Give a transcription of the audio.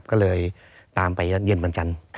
ก็เลยตามไปทางเย็นบรรชน